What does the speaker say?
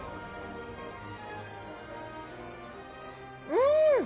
うん！